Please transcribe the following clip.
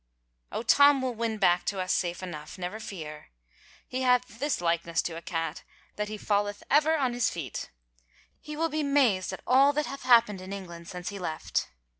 ... Oh, Tom will win back to us safe enough, never fear. He hath this likeness to a cat that he falleth ever on his feet I ... He will be mazed at all that hath happed in England since he left."